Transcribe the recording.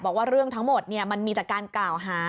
บอกว่าเรื่องทั้งหมดมันมีแต่การกล่าวหา